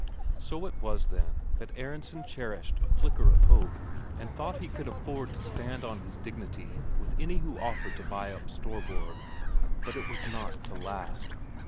So it was, then, that Aronsen cherished a flicker of hope, and thought he could afford to stand on his dignity with any who offered to buy up Storborg. But it was not to last.